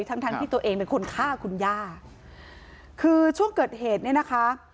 ทั้งทั้งที่ตัวเองเป็นคนฆ่าคุณย่าคือช่วงเกิดเหตุเนี่ยนะคะ